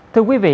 thưa quý vị